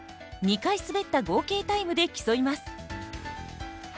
２回滑った合計タイムで競います。